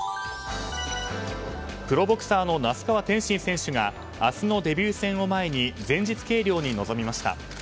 プロボクサーの那須川天心選手が明日のデビュー戦を前に前日計量に臨みました。